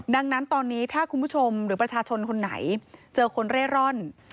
ดังนั้นตอนนี้ถ้าคุณผู้ชมหรือประชาชนคนไหนเจอคนเร่ร่อน